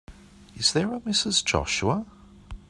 Is there a Mrs. Joshua?